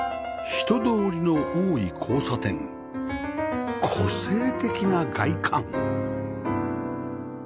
人通りの多い交差点個性的な外観